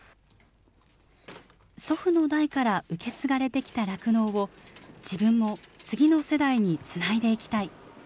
祖父の代から受け継がれてきた酪農を、自分も次の世代につないでいきたい。